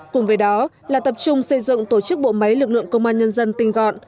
cùng với đó là tập trung xây dựng tổ chức bộ máy lực lượng công an nhân dân tinh gọn